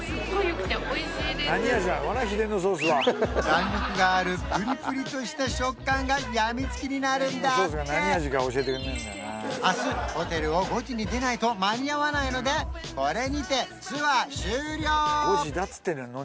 弾力があるプリプリとした食感が病みつきになるんだって明日ホテルを５時に出ないと間に合わないのでこれにてツアー終了